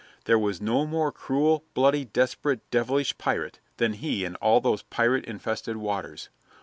There was no more cruel, bloody, desperate, devilish pirate than he in all those pirate infested waters.